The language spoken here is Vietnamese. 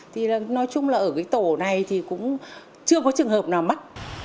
thì nói chung là ở cái tổ này thì cũng chưa có trường hợp nào mắc